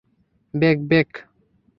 Bake, bake!